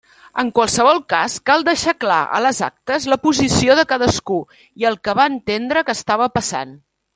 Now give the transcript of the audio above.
En qualsevol cas cal deixar clar a les actes la posició de cadascú i el que va entendre que estava passant.